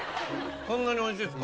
そんなにおいしいですか。